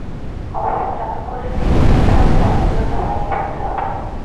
অবশ্য টাকাকড়ির দিক দিয়ে ধরলে সফলতা হয়নি, বলতে হবে।